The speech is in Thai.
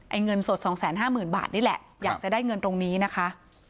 ไอ้เงินสดสองแสนห้าหมื่นบาทนี่แหละอยากจะได้เงินตรงนี้นะคะ